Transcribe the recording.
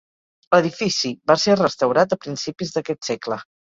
L'edifici va ser restaurat a principis d'aquest segle.